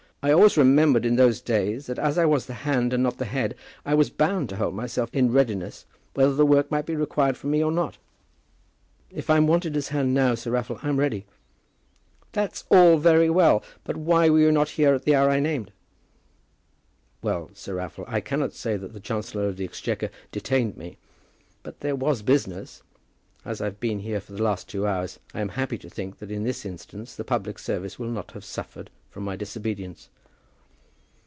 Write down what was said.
I always remembered in those days that as I was the hand and not the head, I was bound to hold myself in readiness whether work might be required from me or not." "If I'm wanted as hand now, Sir Raffle, I'm ready." "That's all very well; but why were you not here at the hour I named?" "Well, Sir Raffle, I cannot say that the Chancellor of the Exchequer detained me; but there was business. As I've been here for the last two hours, I am happy to think that in this instance the public service will not have suffered from my disobedience."